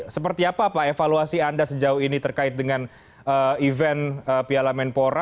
seperti apa pak evaluasi anda sejauh ini terkait dengan event piala menpora